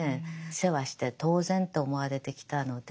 世話して当然と思われてきたので。